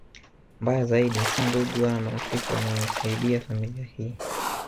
Mbaya zaidi si ndugu wala marafiki wanaoisaidia familia hii